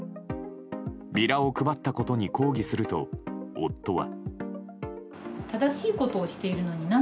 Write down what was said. ビラを配ったことに抗議すると夫は。